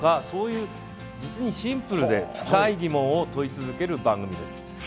そういう実にシンプルで深い疑問を問い続ける番組です。